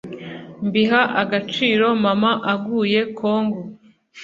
mbiha agaciro mama aguye congo,